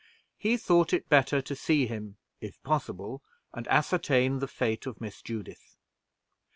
He thought it better to see him if possible, and ascertain the fate of Miss Judith.